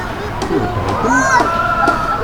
Iweddeṛ-iten?